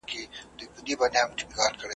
موږ یې په لمبه کي د زړه زور وینو ,